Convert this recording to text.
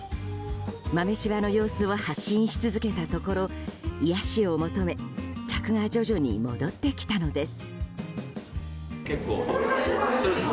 豆柴の様子を発信し続けたところ癒やしを求め客が徐々に戻ってきたのです。